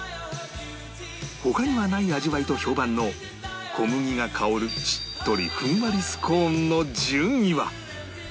他にはない味わいと評判の小麦が香るしっとりふんわりスコーンの順位は？